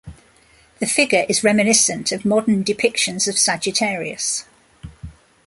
The figure is reminiscent of modern depictions of Sagittarius.